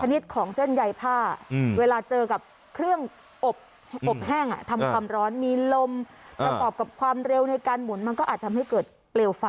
มีลมมันกอบกับความเร็วในการหมุนมันก็อาจทำให้เกิดเปรียวไฟ